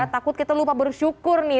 takut kita lupa bersyukur nih